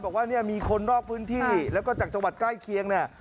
บอกว่ามีคนรอบพื้นที่แล้วก็จากจังหวัดใกล้เคียง